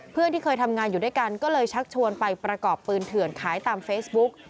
เพื่อนที่เคยทำงานอยู่ด้วยกันก็เลยชักชวนไปประกอบปืนเถื่อนขายตามเฟซบุ๊ก